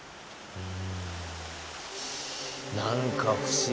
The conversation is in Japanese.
うん。